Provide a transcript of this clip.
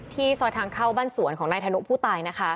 ซอยทางเข้าบ้านสวนของนายธนุผู้ตายนะคะ